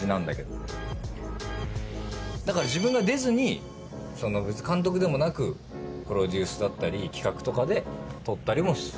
だから自分が出ずに別に監督でもなくプロデュースだったり企画とかで撮ったりもしたいなとも思う。